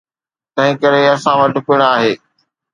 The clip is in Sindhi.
تنهنڪري اسان وٽ پڻ آهي.